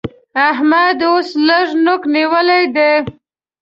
احمد اوس لږ نوک نيول دی